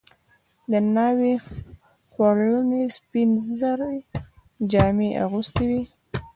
د ناوې خورلڼې سپین زري جامې اغوستې وې.